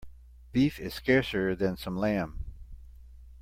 Beef is scarcer than some lamb.